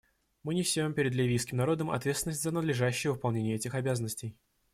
Мы несем перед ливийским народом ответственность за надлежащее выполнение этих обязанностей.